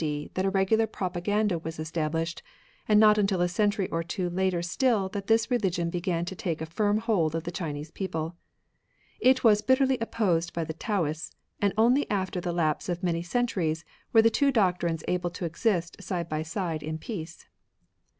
d. that a regular propaganda was estabUshed, and not until a century or two later still that this reli gion began to take a firm hold of the Chinese people. It was bitterly opposed by the Taoists, and only after the lapse of many centuries were the two doctrines able to exist side by side in peace.